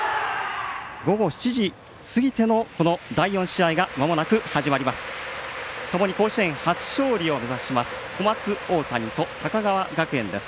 午後７時過ぎての第４試合がまもなく始まります。